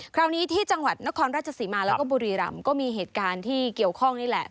คราวนี้ที่จังหวัดนครราชสีมาแล้วก็บุรีรำก็มีเหตุการณ์ที่เกี่ยวข้องนี่แหละ